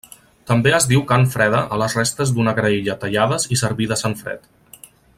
També es diu carn freda a les restes d'una graella tallades i servides en fred.